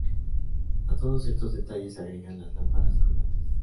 A todos estos detalles se agregan las lámparas colgantes.